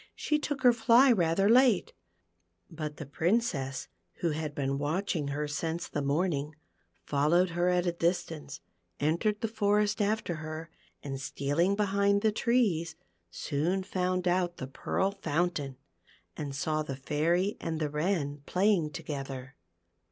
She took her fl}' rather late ; but the Princess, who had been watching her since the morning, followed her at a distance, entered the forest after her, and stealing behind the trees, soon found out the Pearl Fountain, and saw the Fairy and the Wren playing together.